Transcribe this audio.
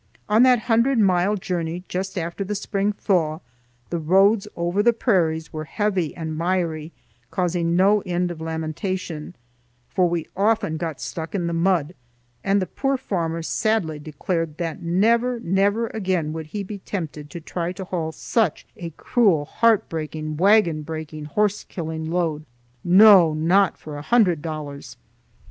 On that hundred mile journey, just after the spring thaw, the roads over the prairies were heavy and miry, causing no end of lamentation, for we often got stuck in the mud, and the poor farmer sadly declared that never, never again would he be tempted to try to haul such a cruel, heart breaking, wagon breaking, horse killing load, no, not for a hundred dollars.